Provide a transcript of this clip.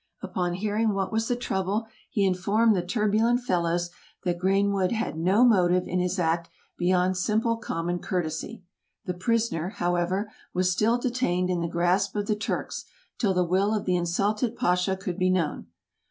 Upon hearing what was the trouble, he informed the [Illustration: TROUBLE IN A TURKISH HAREM.] turbulent fellows that Greenwood had no motive in his act beyond simple common courtesy. The prisoner, however, was still detained in the grasp of the Turks, till the will of the insulted Pasha could be known.